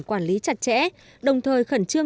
quản lý chặt chẽ đồng thời khẩn trương